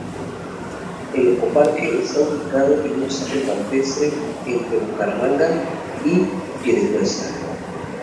El Ecoparque está ubicado en un sitio campestre entre Bucaramanga y Piedecuesta.